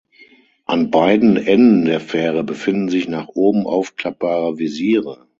An beiden Enden der Fähre befinden sich nach oben aufklappbare Visiere.